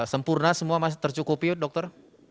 sempurna semua masih tercukupi dokter